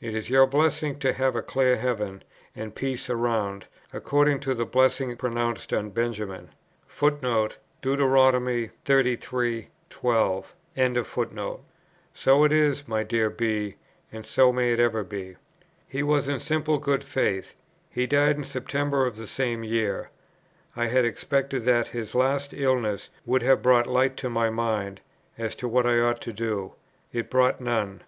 It is your blessing to have a clear heaven, and peace around, according to the blessing pronounced on Benjamin. So it is, my dear B., and so may it ever be." Deut. xxxiii. 12. He was in simple good faith. He died in September of the same year. I had expected that his last illness would have brought light to my mind, as to what I ought to do. It brought none.